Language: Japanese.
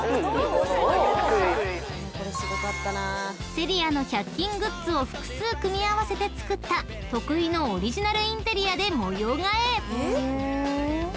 ［Ｓｅｒｉａの１００均グッズを複数組み合わせて作った得意のオリジナルインテリアで模様替え］